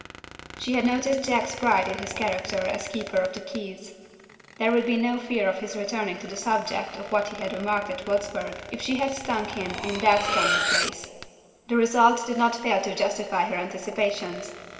She had noticed Jack's pride in his character as "Keeper of the Keys." There would be no fear of his returning to the subject of what he had remarked at Wurzburg, if she stung him in that tender place. The result did not fail to justify her anticipations.